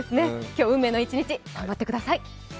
今日は運命の一日、頑張ってください。